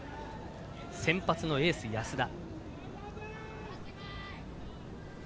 先発のエース、安田。